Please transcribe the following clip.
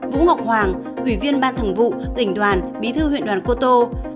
vũ ngọc hoàng huy viên ban thẳng vụ tỉnh đoàn bí thư huyện đoàn cô tô